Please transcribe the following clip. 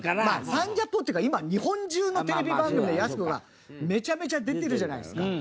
『サンジャポ』っていうか今日本中のテレビ番組でやす子がめちゃめちゃ出てるじゃないですか。